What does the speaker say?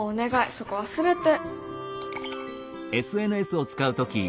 そこ忘れて。